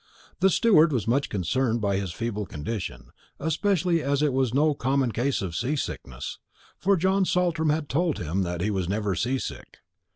The steward was much concerned by his feeble condition, especially as it was no common case of sea sickness; for John Saltram had told him that he was never sea sick.